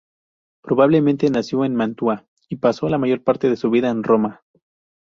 Probablemente nació en Mantua y pasó la mayor parte de su vida en Roma.